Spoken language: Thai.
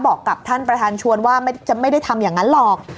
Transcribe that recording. บอกกับท่านประธานชวนว่าจะไม่ได้ทำอย่างนั้นหรอก